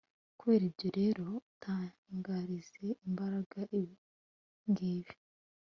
kubera ibyo rero, utangarize imbaga ibi ngibi